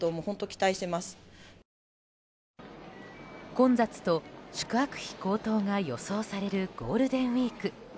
混雑と宿泊費高騰が予想されるゴールデンウィーク。